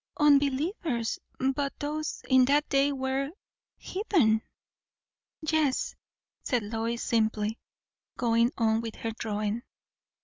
"Unbelievers! But those, in that day, were heathen." "Yes," said Lois simply, going on with her drawing.